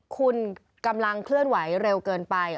คุณกำลังเคลื่อนไหวเร็วเกินไป